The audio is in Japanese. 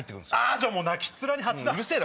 じゃあもう泣きっ面に蜂だ。